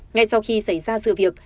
ngay sau khi xảy ra sự việc